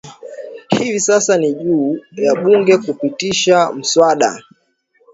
Hivi sasa ni juu ya bunge kupitisha mswada